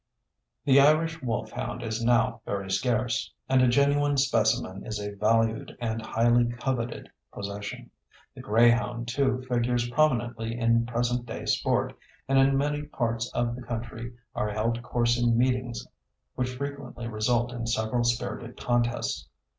The Irish wolfhound is now very scarce, and a genuine specimen is a valued and highly coveted possession. The greyhound, too, figures prominently in present day sport, and in many parts of the country are held coursing meetings, which frequently result in several spirited contests.